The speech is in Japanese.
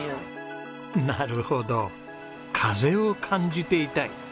なるほど「風を感じていたい」。